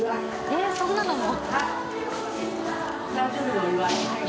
えっそんなのも？